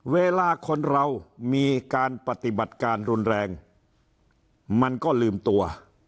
เวลาคนเรามีการปฏิบัติการรุนแรงมันก็ลืมตัว